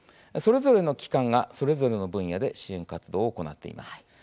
それぞれの機関がそれぞれの分野で支援活動を行っています。